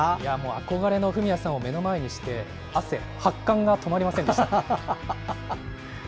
憧れのフミヤさん目の前に発汗が止まりませんでした。